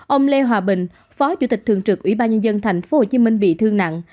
ông lê hòa bình phó chủ tịch thường trực ủy ban nhân dân thành phố hồ chí minh bị thương nặng